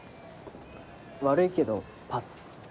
悪いけどパス。